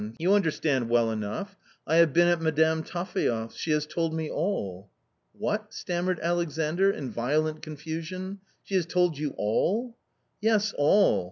you understand well enough ! I have been at Madame Taphaev's ; she has told me all." "What !" stammered Alexandr in violent confusion. " She has told you all !'* "Yes, all.